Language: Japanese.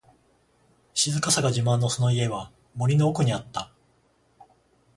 静かさが自慢のその家は、森の奥にあった。